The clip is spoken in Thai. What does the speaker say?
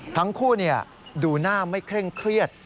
ทั้งคู่ดูหน้าไม่เคร่งเครียด